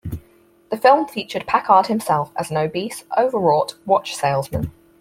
The film featured Packard himself as an obese, overwrought watch salesman.